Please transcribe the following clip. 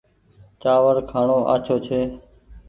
چآوڙ کآڻو آڇو ڇي ۔